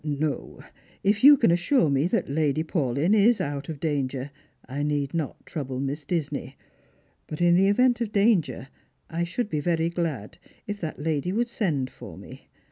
"No; if you can assure me that Lady Paulyn is out of danger, I need not trouble Miss Disney. Bat in the event of danger, I should be very glad if that lady would send for me.